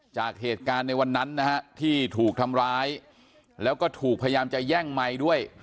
จากเหตุการณ์ในวันนั้นนะฮะที่ถูกทำร้ายแล้วก็ถูกพยายามจะแย่งไมค์ด้วย